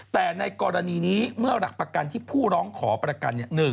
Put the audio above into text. แต่ในกรณีนี้เมื่อหลักประกันที่ผู้ร้องขอประกัน